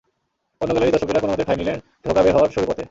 অন্য গ্যালারির দর্শকেরা কোনো মতে ঠাঁই নিলেন ঢোকা-বের হওয়ার সরু পথে।